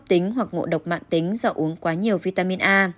tính do uống quá nhiều vitamin a